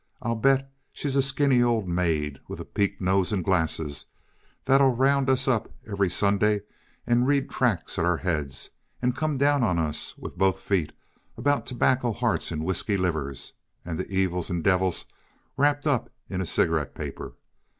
"I'll bet she's a skinny old maid with a peaked nose and glasses, that'll round us up every Sunday and read tracts at our heads, and come down on us with both feet about tobacco hearts and whisky livers, and the evils and devils wrapped up in a cigarette paper.